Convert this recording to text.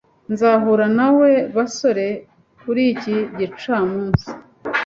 Nzahura nawe basore kuri iki gicamunsi.